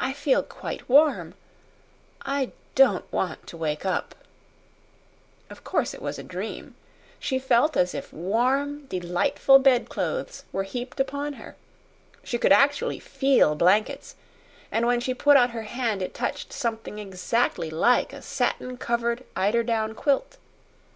"I feel quite warm. I don't want to wake up." Of course it was a dream. She felt as if warm, delightful bedclothes were heaped upon her. She could actually FEEL blankets, and when she put out her hand it touched something exactly like a satin covered eider down quilt.